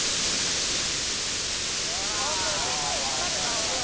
あっこれ結構わかるな。